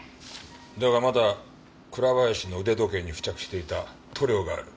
だがまだ倉林の腕時計に付着していた塗料がある。